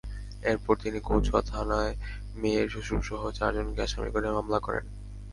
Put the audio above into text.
এরপর তিনি কচুয়া থানায় মেয়ের শ্বশুরসহ চারজনকে আসামি করে মামলা করেন।